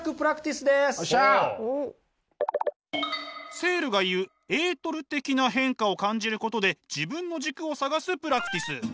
セールが言うエートル的な変化を感じることで自分の軸を探すプラクティス。